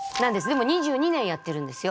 もう２２年やってるんですよ。